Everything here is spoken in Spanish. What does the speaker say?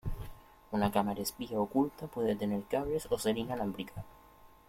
Una cámara espía oculta puede tener cables o ser inalámbrica.